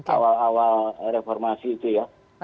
awal awal reformasi itu ya